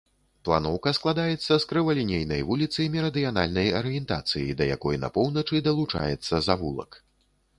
Планоўка складаецца з крывалінейнай вуліцы мерыдыянальнай арыентацыі, да якой на поўначы далучаецца завулак.